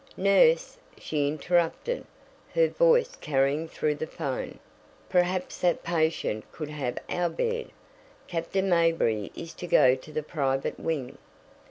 "Nurse," she interrupted, her voice carrying through the 'phone, "perhaps that patient could have our bed. Captain Mayberry is to go to the private wing."